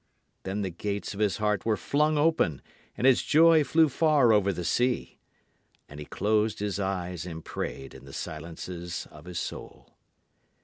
Then the gates of his heart were flung open, and his joy flew far over the sea. And he closed his eyes and prayed in the silences of his soul.